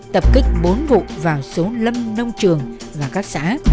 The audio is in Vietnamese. tập kích bốn vụ vào số lâm nông trường và các xã